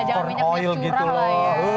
jangan minyak minyak curah lah ya